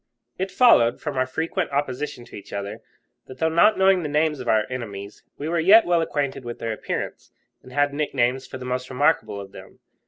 It followed, from our frequent opposition to each other, that, though not knowing the names of our enemies, we were yet well acquainted with their appearance, and had nicknames for the most remarkable of them.